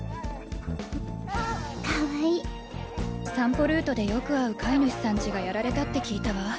かわいい散歩ルートでよく会う飼い主さんちがやられたって聞いたわ。